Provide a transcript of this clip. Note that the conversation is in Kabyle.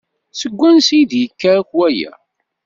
Seg wansi ay d-yekka akk waya?